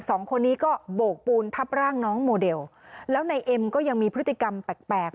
สองคนนี้ก็โบกปูนทับร่างน้องโมเดลแล้วนายเอ็มก็ยังมีพฤติกรรมแปลกแปลก